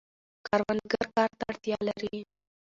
کروندګر کار ته اړتیا لري.